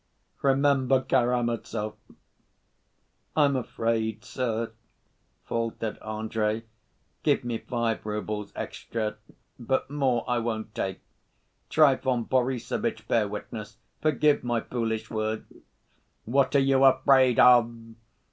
Remember Karamazov!" "I'm afraid, sir," faltered Andrey. "Give me five roubles extra, but more I won't take. Trifon Borissovitch, bear witness. Forgive my foolish words ..." "What are you afraid of?"